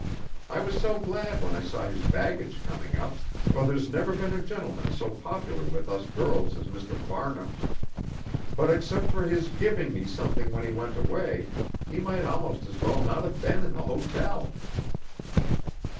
I was so glad when I saw his baggage coming up, for there's never been a gentleman so popular with us girls as Mr. Farnham; but except for his giving me something when he went away, he might almost as well not have been in the hotel."